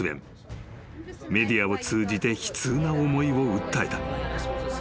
［メディアを通じて悲痛な思いを訴えた］